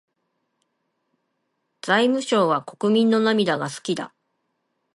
財務省は国民の涙が好きだ。